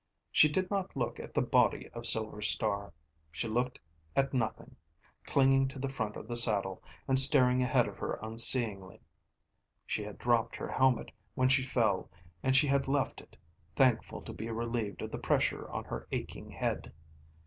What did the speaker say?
She did not look at the body of Silver Star, she looked at nothing, clinging to the front of the saddle, and staring ahead of her unseeingly. She had dropped her helmet when she fell and she had left it, thankful to be relieved of the pressure on her aching head.